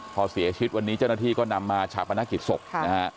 พอเสียชีวิตวันนี้เจ้าหน้าที่ก็นำมาชาปนกิจศพนะฮะ